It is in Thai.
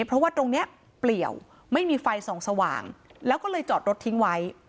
เพราะว่าตรงนี้เปลี่ยวไม่มีไฟส่องสว่างแล้วก็เลยจอดรถทิ้งไว้